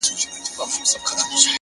• د بزګر لرګی به سم ورته اړم سو ,